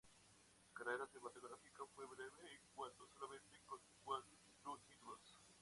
Su carrera cinematográfica fue breve y cuenta solamente con cuatro títulos.